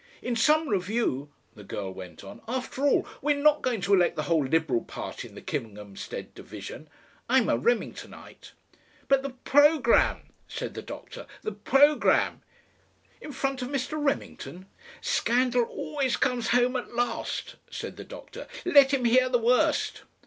"In some review," the girl went on. "After all, we're not going to elect the whole Liberal party in the Kinghamstead Division. I'm a Remington ite!" "But the programme," said the doctor, "the programme " "In front of Mr. Remington!" "Scandal always comes home at last," said the doctor. "Let him hear the worst."